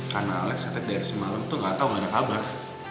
karena alex ngetek dari semalam tuh gak tau mana kabar